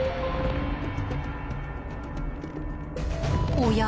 おや？